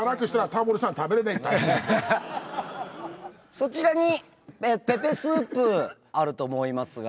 そちらにペペスープあると思いますが。